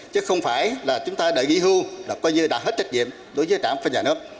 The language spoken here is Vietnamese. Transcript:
chứ không phải là chúng ta đã nghỉ hưu là coi như đã hết trách nhiệm đối với trạm phân giả nước